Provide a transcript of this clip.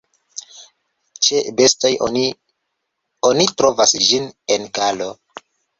Ĉe bestoj oni oni trovas ĝin en galo.